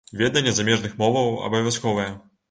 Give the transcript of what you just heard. Веданне замежных моваў абавязковае.